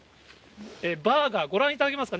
バーが、ご覧いただけますかね？